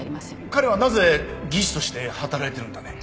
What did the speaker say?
彼はなぜ技師として働いてるんだね？